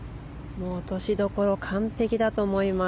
落としどころ完璧だと思います。